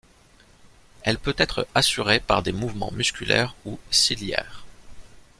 Elle peut être assurée par des mouvements musculaires ou ciliaires.